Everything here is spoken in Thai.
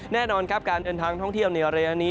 แน่นอนครับการเดินทางท่องเที่ยวในระยะนี้